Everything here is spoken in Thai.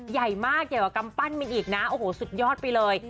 ใหญ่มากเกี่ยวกับกำปั้นมันอีกนะโอ้โหสุดยอดไปเลย